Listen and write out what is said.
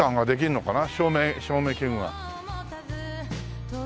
照明器具が。